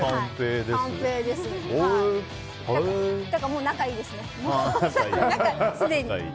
もう仲いいですね、すでに。